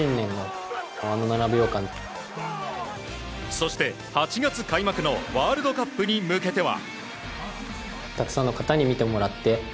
そして、８月開幕のワールドカップに向けては。